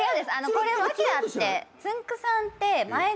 これ訳あって。